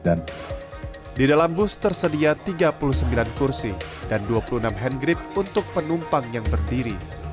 di dalam bus tersedia tiga puluh sembilan kursi dan dua puluh enam hand grip untuk penumpang yang berdiri